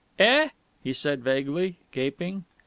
"Eh?" he said vaguely, gaping.